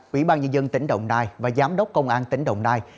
quỹ ban nhân dân tỉnh đồng nai và giám đốc công an tỉnh đồng nai